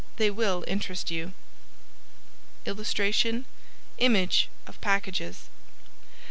They will interest you. [Illustration: Image of packages.